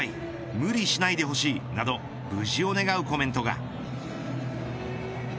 無理しないでほしいなど無事を願うコメントが。